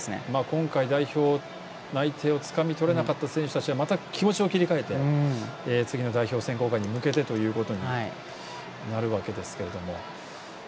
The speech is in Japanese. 今回、代表内定をつかみ取れなかった選手たちはまた気持ちを切り替えて次の代表選考会に向けてということになるわけですけれども。